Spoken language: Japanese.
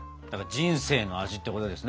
人生の味ってことですね。